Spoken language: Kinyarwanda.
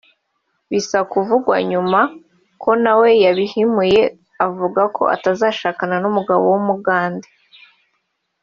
bisa kuvugwa nyuma ko nawe yabihimuye avuga ko atazashakana n’umugabo w’umugande